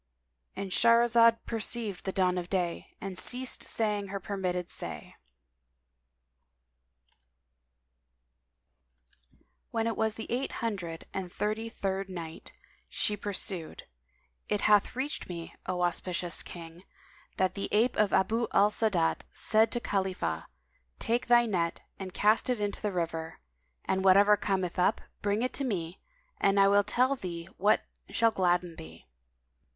"—And Shahrazad perceived the dawn of day and ceased saying her permitted say. When it was the Eight Hundred and Thirty third Night She pursued, It hath reached me, O auspicious King, that the ape of Abu al Sa'adat said to Khalifah, "Take thy net and cast it into the river; and whatever cometh up, bring it to me, and I will tell thee what shall gladden thee."